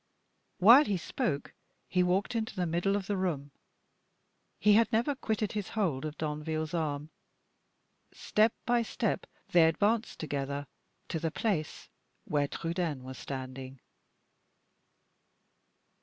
While he spoke, he walked into the middle of the room. He had never quitted his hold of Danville's arm; step by step they advanced together to the place where Trudaine was standing.